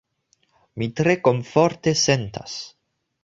Mi tre komforte sentas.